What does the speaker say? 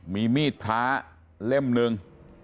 มีมีดพระเล่มหนึ่ง